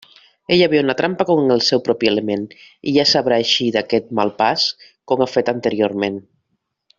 Ella viu en la trampa com en el seu propi element, i ja sabrà eixir d'aquest mal pas com ha fet anteriorment.